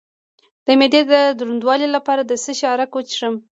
د معدې د دروندوالي لپاره د څه شي عرق وڅښم؟